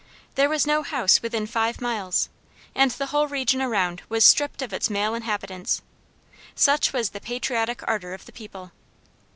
There was no house within five miles, and the whole region around was stripped of its male inhabitants, such was the patriotic ardor of the people.